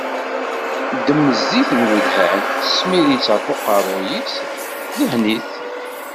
Ddem-d zzit n wedhan, smir-itt ɣef uqerru-is, dhen-it.